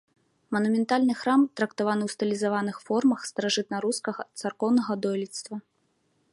Манументальны храм трактаваны ў стылізаваных формах старажытнарускага царкоўнага дойлідства.